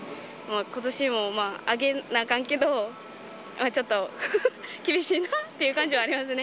ことしもあげなあかんけど、ちょっと、厳しいなっていう感じはありますね。